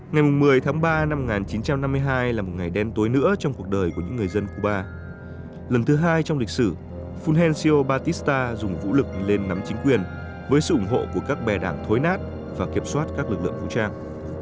ngày một mươi tháng ba năm một nghìn chín trăm năm mươi hai là một ngày đêm tối nữa trong cuộc đời của những người dân cuba lần thứ hai trong lịch sử phunel sio batista dùng vũ lực lên nắm chính quyền với sự ủng hộ của các bè đảng thối nát và kiểm soát các lực lượng vũ trang